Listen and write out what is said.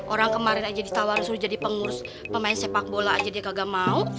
orang kemarin aja ditawar suruh jadi pengurus pemain sepak bola aja dia kagak mau